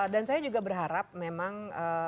dan saya juga berharap memang